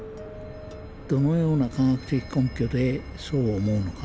どのような科学的根拠でそう思うのか